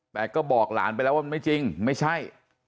แต่ก็บอกหลานไปแล้วว่ามันไม่จริงไม่ใช่